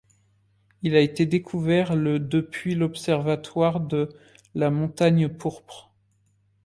Il a été découvert le depuis l'observatoire de la Montagne Pourpre.